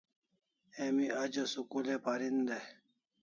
Emi ajo school ai parin dai